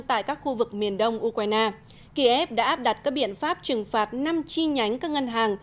tại các khu vực miền đông ukraine kiev đã áp đặt các biện pháp trừng phạt năm chi nhánh các ngân hàng